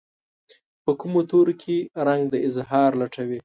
په کومو تورو کې رنګ د اظهار لټوي